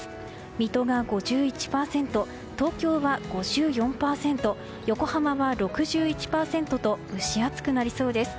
水戸が５１％、東京は５４％横浜は６１％と蒸し暑くなりそうです。